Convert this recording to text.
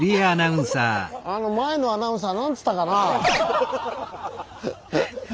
あの前のアナウンサーなんつったかなあ。